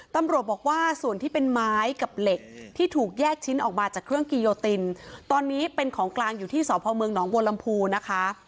ตำรวจบอกว่าส่วนที่เป็นไม้กับเหล็กที่ถูกแยกชิ้นออกมาจากเครื่องกิโยตินตอนนี้เป็นของกลางอยู่ที่สพเมืองหนองบัวลำพูนะคะ